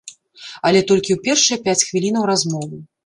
Але толькі ў першыя пяць хвілінаў размовы.